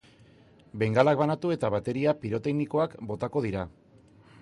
Bengalak banatu eta bateria piroteknikoak botako dira.